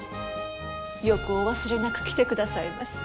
よくお忘れなく来てくださいました。